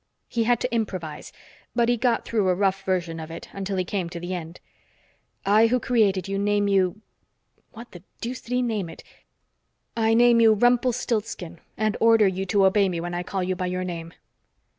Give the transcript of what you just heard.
He had to improvise, but he got through a rough version of it, until he came to the end: "I who created you name you " What the deuce did he name it? "I name you Rumpelstilsken and order you to obey me when I call you by your name."